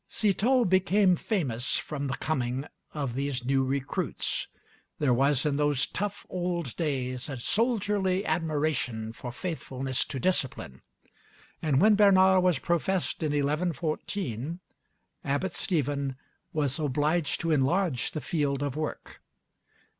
[Illustration: SAINT BERNARD] Citeaux became famous from the coming of these new recruits. There was, in those tough old days, a soldierly admiration for faithfulness to discipline; and when Bernard was professed in 1114, Abbot Stephen was obliged to enlarge the field of work.